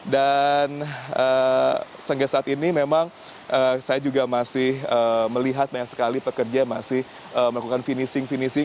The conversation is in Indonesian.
dan sehingga saat ini memang saya juga masih melihat banyak sekali pekerja yang masih melakukan finishing finishing